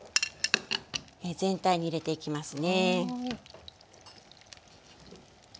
全体に入れていきますね。